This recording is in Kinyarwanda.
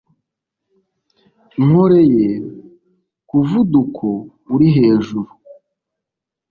Nkoreye kuvuduko uri hejuru